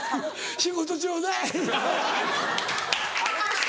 仕事ちょうだいアホ！